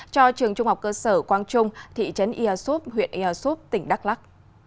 cho trường trung học cơ sở quang trung thị trấn ia súp huyện ia súp tỉnh đắk lắc